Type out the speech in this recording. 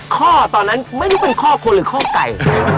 ข้อตอนนั้นไม่รู้เป็นข้อคนหรือข้อไก่